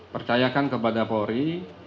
percayakan kepada f kapolri